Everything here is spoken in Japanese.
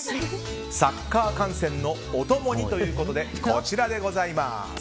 サッカー観戦のお供にということでこちらでございます。